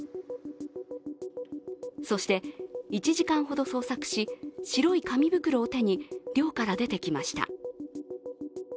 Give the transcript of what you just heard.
そして、１時間ほど捜索し、白い紙袋を手に寮から出てきました。